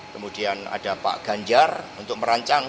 kemudian ada pak ganjar untuk merancang